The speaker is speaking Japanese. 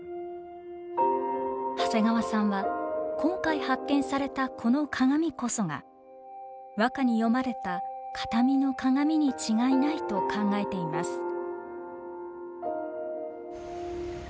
長谷川さんは今回発見されたこの鏡こそが和歌に詠まれた「形見の鏡」に違いないと考えています。